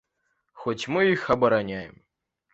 Хоць мы іх абараняем.